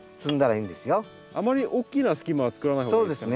あまり大きな隙間は作らない方がいいですね。